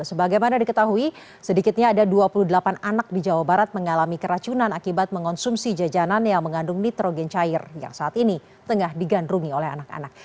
sebagaimana diketahui sedikitnya ada dua puluh delapan anak di jawa barat mengalami keracunan akibat mengonsumsi jajanan yang mengandung nitrogen cair yang saat ini tengah digandrungi oleh anak anak